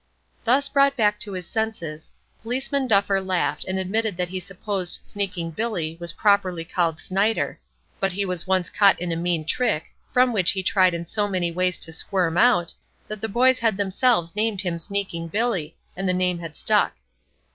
Thus brought back to his senses, Policeman Duffer laughed, and admitted that he supposed Sneaking Billy was properly named Sneyder; but he was once caught in a mean trick, from which he tried in so many ways to squirm out, that the boys had themselves named him Sneaking Billy, and the name had stuck.